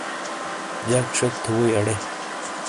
جگ شیک تھے ووئی اڑے۔